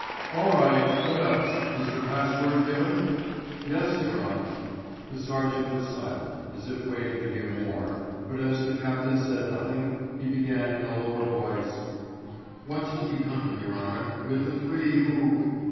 "All right! What else? Is the pass word given?" "Yes, your honour...." The sergeant was silent, as if waiting to hear more, but as the captain said nothing, he began in a lower tone, "What's to be done, your honour, with the three who...."